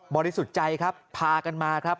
บริสุทธิ์ใจครับพากันมาครับ